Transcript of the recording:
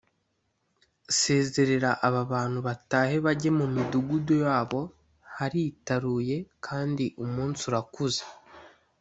sezerera aba bantu batahe bajye mu midugudu yabo haritaruye kandi umunsi urakuze